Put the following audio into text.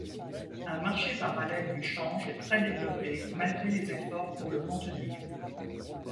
Un marché parallèle du change est très développé malgré les efforts pour le contenir.